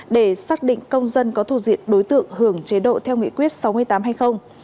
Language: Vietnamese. để xác định công dân có thu diện đối tượng hưởng chế độ theo nghị quyết sáu mươi tám hay không